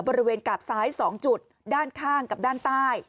บริเวณกาบซ้าย๒จุดด้านข้างกับด้านใต้